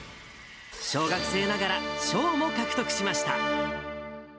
小学生ながら、賞も獲得しました。